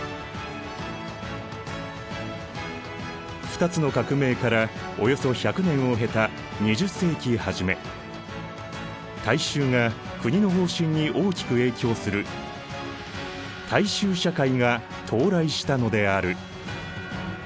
二つの革命からおよそ１００年を経た２０世紀初め大衆が国の方針に大きく影響する大衆社会が到来したのである。